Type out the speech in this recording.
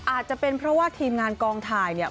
อาจจะเป็นเพราะว่าทีมงานกองถ่ายเนี่ย